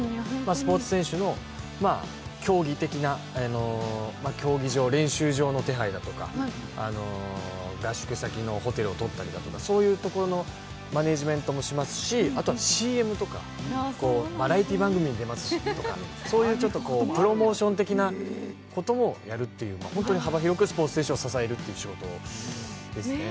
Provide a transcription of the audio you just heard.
スポーツ選手の競技的な競技場、練習場の手配だとか、合宿先のホテルをとったりとか、そういうところのマネジメントもしますし、あとＣＭとかバラエティー番組に出ますとか、ちょっとプロモーション的なこともやるというか、本当に幅広くスポーツ選手を支える仕事ですよね。